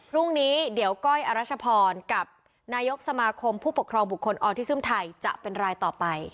พรุ่งนี้เดี๋ยวก้อยอรัชพรกับนายกสมาคมผู้ปกครองบุคคลออทิซึมไทยจะเป็นรายต่อไป